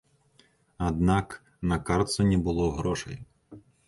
Аднак на картцы не было грошай.